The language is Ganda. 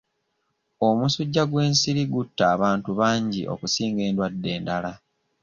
Omusujja gwe'nsiri gutta abantu bangi okusinga endwadde endala.